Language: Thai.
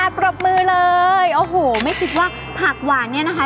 ปรบมือเลยโอ้โหไม่คิดว่าผักหวานเนี่ยนะคะ